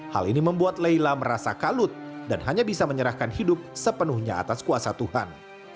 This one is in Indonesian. hal ini membuat leila merasa kalut dan hanya bisa menyerahkan hidup sepenuhnya atas kuasa tuhan